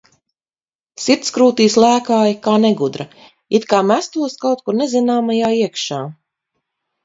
Sirds krūtīs lēkāja kā negudra, it kā mestos kaut kur nezināmajā iekšā.